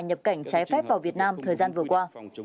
nhập cảnh trái phép vào việt nam thời gian vừa qua